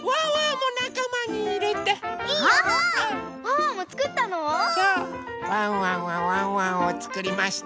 ワンワンはワンワンをつくりました。